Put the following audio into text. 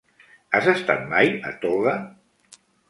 Has estat mai a Toga?